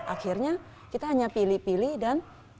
akhirnya kita hanya pilih pilih dan kita pilih